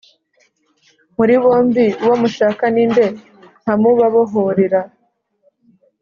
Muri bombi uwo mushaka ni nde, nkamubabohorera ?